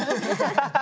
ハハハハ！